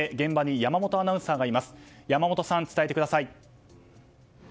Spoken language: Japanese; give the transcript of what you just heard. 山本さん、伝えてください。